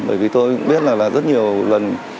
bởi vì tôi biết là rất nhiều lần